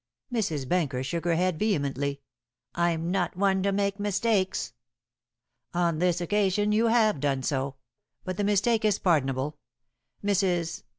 Mrs. Benker shook her head vehemently. "I'm not the one to make mistakes." "On this occasion you have done so; but the mistake is pardonable. Mrs.